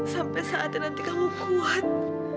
sampai saatnya nanti kamu kuat